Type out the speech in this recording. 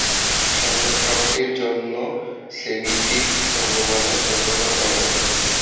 স্বর্গপ্রাপ্তির জন্য সেমিটিক ভগবানের ভজনা করে।